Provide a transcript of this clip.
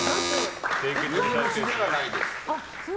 水虫ではないです。